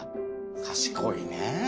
賢いね。